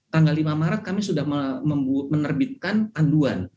tanggal lima maret kami sudah menerbitkan panduan